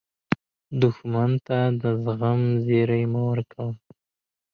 دښمن ته د زغم زیری مه ورکوه